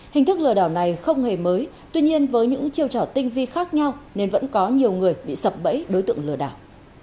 hình thức lừa đảo này không hề mới tuy nhiên với những chiêu trò tinh vi khác nhau nên vẫn có nhiều người bị sập bẫy đối tượng lừa đảo